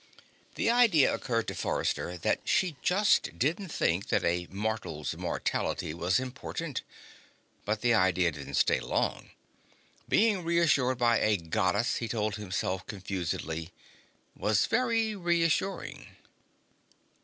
The idea occurred to Forrester that she just didn't think that a mortal's mortality was important. But the idea didn't stay long. Being reassured by a Goddess, he told himself confusedly, was very reassuring.